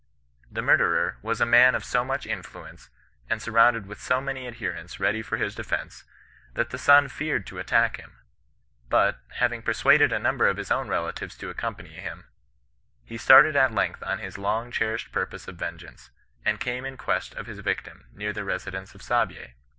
The murderer was a man of so much influence, and surrounded with so many adherents ready for his defence, that the son feared to attack him ; but, hav ing persuaded a number of his own relatives to accom pany him, he started at length on his long cherished purpose of vengeance, and came in quest of his victim near the residence of Saabye.